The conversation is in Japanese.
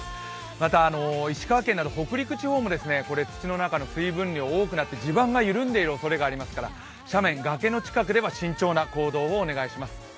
また石川県など北陸地方も土の中の水分量が多くなって地盤が緩んでいるおそれがありますから、斜面、崖の近くでは慎重な行動をお願いします。